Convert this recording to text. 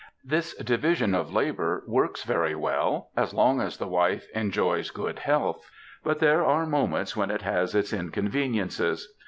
This division of labour works very well as long as the wife ^^ enjoys good health," but there are moments when it has its inconveniences.